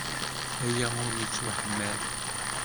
Aya ur yettwaḥmal!